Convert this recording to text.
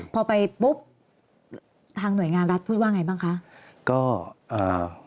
พอไปปุ๊บทางหน่วยงานรัฐพูดว่าอย่างไรบ้างคะ